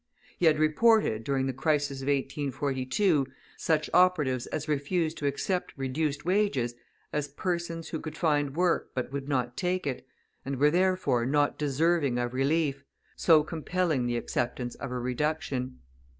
He had reported, during the crisis of 1842, such operatives as refused to accept reduced wages, as persons who could find work but would not take it, and were, therefore, not deserving of relief, so compelling the acceptance of a reduction.